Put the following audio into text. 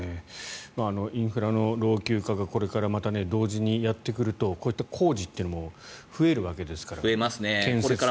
インフラの老朽化がこれから同時にやってくるとこういった工事も増えるわけですから。